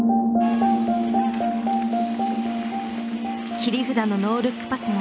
切り札のノールックパスも。